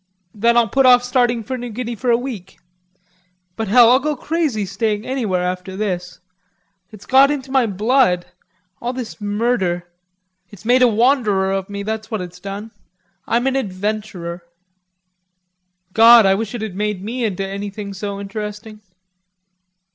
"Then I'll put off starting for New Guinea for a week. But hell, I'd go crazy staying anywhere after this. It's got into my blood... all this murder. It's made a wanderer of me, that's what it's done. I'm an adventurer." "God, I wish it had made me into anything so interesting."